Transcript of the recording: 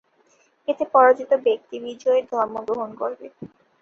এতে পরাজিত ব্যক্তি বিজয়ীর ধর্ম গ্রহণ করবে।